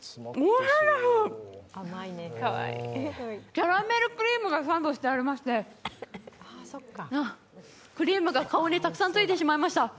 キャラメルクリームがサンドしてありましてクリームが顔にたくさんついてしまいました。